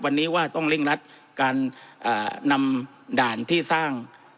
วันนี้ว่าต้องเร่งรัดการนำด่านที่สร้าง